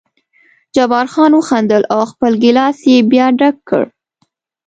جبار خان وخندل او خپل ګیلاس یې بیا ډک کړ.